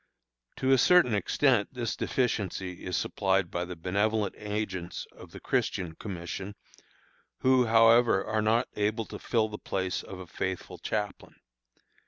To a certain extent this deficiency is supplied by the benevolent agents of the Christian Commission, who, however, are not able to fill the place of a faithful chaplain.